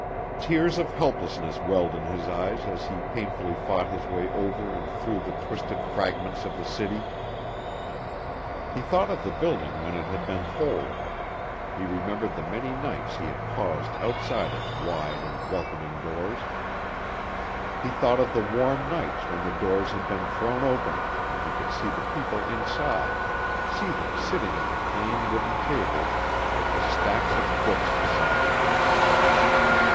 Tears of helplessness welled in his eyes as he painfully fought his way over and through the twisted fragments of the city. He thought of the building when it had been whole. He remembered the many nights he had paused outside its wide and welcoming doors. He thought of the warm nights when the doors had been thrown open and he could see the people inside, see them sitting at the plain wooden tables with the stacks of books beside them.